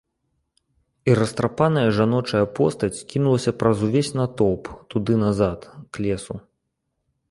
І растрапаная жаночая постаць кінулася праз увесь натоўп туды назад, к лесу.